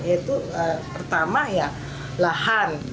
yaitu pertama lahan